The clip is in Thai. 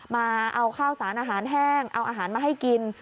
มาเอาข้าวสารอาหารแห้งเอาอาหารมาให้กิน